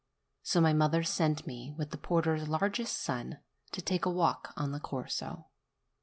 So my mother sent me, with the porter's largest son, to take a walk on the Corso.